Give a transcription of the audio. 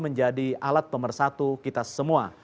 menjadi alat pemersatu kita semua